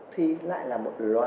thì lại là một loại